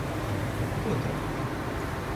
Par ko tad?